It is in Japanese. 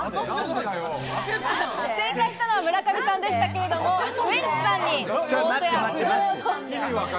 正解したのは村上さんでしたけれども、ウエンツさんに。